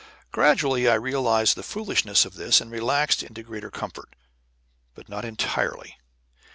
Gradually I realized the foolishness of this, and relaxed into greater comfort, but not entirely.